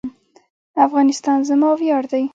افغانستان زما ویاړ دی